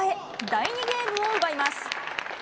第２ゲームを奪います。